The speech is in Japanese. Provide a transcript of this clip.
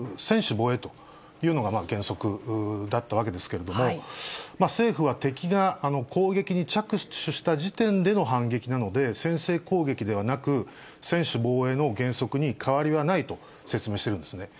防衛というのが原則だったわけですけれども、政府は敵が攻撃に着手した時点での反撃なので、先制攻撃ではなく、専守防衛の原則に変わりはないと説明してるんですね。